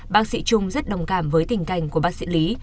bác sĩ trung rất đồng cảm với tình cảnh của bác sĩ lý